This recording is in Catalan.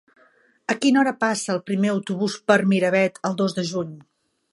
A quina hora passa el primer autobús per Miravet el dos de juny?